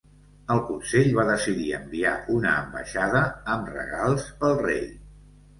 El consell va decidir enviar una ambaixada amb regals pel rei.